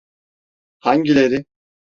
Hangileri?